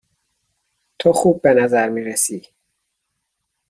تو خوب به نظر می رسی.